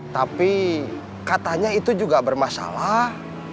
tapi katanya itu juga bermasalah